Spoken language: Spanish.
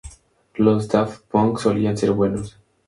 Los Daft Punk solían ser buenos".